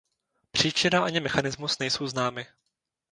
Příčina ani mechanismus nejsou známy.